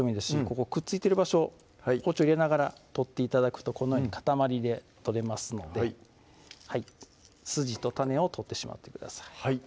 ここくっついてる場所包丁入れながら取って頂くとこのように塊で取れますので筋と種を取ってしまってください